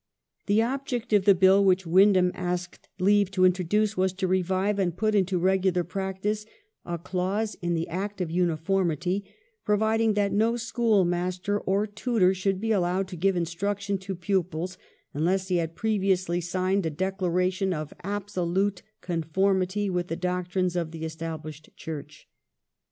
The object of the Bill which Windham asked leave to introduce was to revive and put into regular practice a clause in the Act of Uniformity, providing that no schoolmaster or tutor should be allowed to give instruction to pupils unless he had previously signed a declaration of absolute conformity with the doctrines of the Established Church.